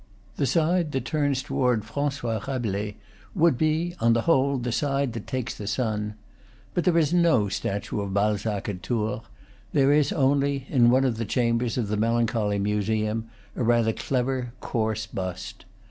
The side that turns toward Francois Rabelais would be, on the whole, the side that takes the sun. But there is no statue of Balzac at Tours; there is only, in one of the chambers of the melancholy museum, a rather clever, coarse bust.